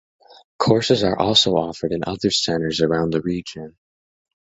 Courses are also offered in other centres around the region.